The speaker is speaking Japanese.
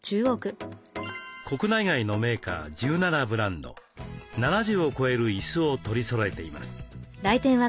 国内外のメーカー１７ブランド７０を超える椅子を取りそろえています。